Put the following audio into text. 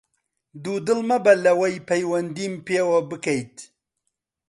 دوودڵ مەبە لەوەی پەیوەندیم پێوە بکەیت!